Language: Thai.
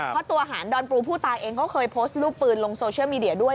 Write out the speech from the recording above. เพราะตัวหารดอนปรูผู้ตายเองก็เคยโพสต์รูปปืนลงโซเชียลมีเดียด้วย